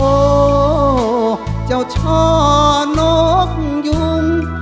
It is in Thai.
โอวจาวช่อนกยุ่ม